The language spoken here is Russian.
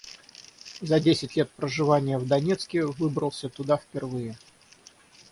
За десять лет проживания в Донецке выбрался туда впервые.